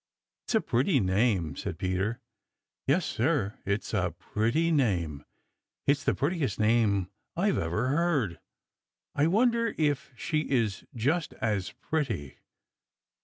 "It's a pretty name," said Peter. "Yes, Sir, it's a pretty name. It's the prettiest name I've ever heard. I wonder if she is just as pretty.